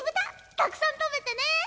たくさん食べてね。